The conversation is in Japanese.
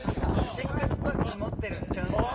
シックスパック持ってるんちゃうんかい。